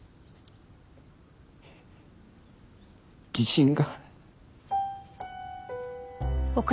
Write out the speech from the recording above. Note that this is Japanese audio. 自信が。